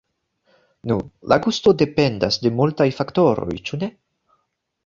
Nu, la gusto dependas de multaj faktoroj, ĉu ne?